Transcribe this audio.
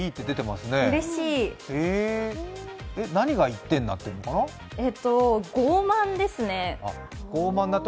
何が１点になってるのかな？